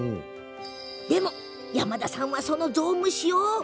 でも山田さんはそのゾウムシを。